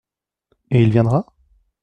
Et il viendra ?